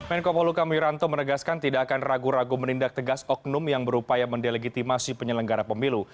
menko poluka miranto menegaskan tidak akan ragu ragu menindak tegas oknum yang berupaya mendelegitimasi penyelenggara pemilu